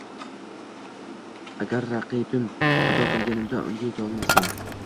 Agar raqibim xato qilmaganida, unga yeta olmasdim